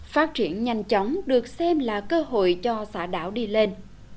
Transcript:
phát triển nhanh chóng được xem là cơ hội cho xã đảo đi lên